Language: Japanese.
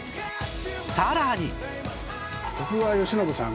さらに